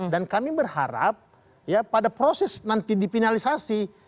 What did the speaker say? dan kami berharap ya pada proses nanti dipinalisasi